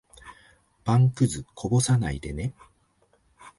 パンくず、こぼさないでね。